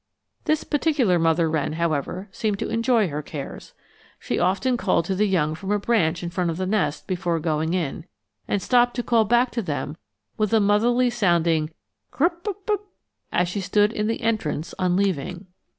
This particular mother wren, however, seemed to enjoy her cares. She often called to the young from a branch in front of the nest before going in, and stopped to call back to them with a motherly sounding krup up up as she stood in the entrance on leaving.